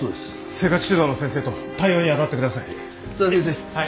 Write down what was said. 生活指導の先生と対応に当たって下さい。